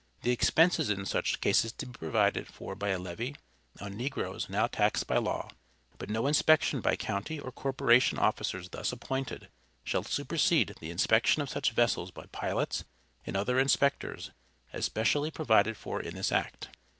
The expenses in such cases to be provided for by a levy on negroes now taxed by law; but no inspection by county or corporation officers thus appointed, shall supersede the inspection of such vessels by pilots and other inspectors, as specially provided for in this act.